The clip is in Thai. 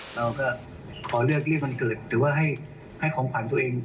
เราเพื่อขอเลือกเรียนบังคืนหรือว่าให้ของขวัญตัวเอง